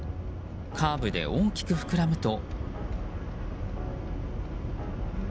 カーブで大きく膨らむと。